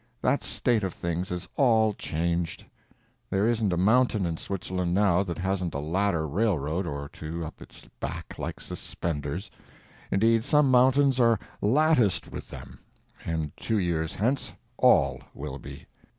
That state of things is all changed. There isn't a mountain in Switzerland now that hasn't a ladder railroad or two up its back like suspenders; indeed, some mountains are latticed with them, and two years hence all will be.